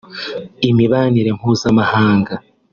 imibanire mpuzamahanga